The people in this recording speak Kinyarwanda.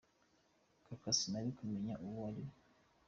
Kaka sinari kumenya uwo ari we.”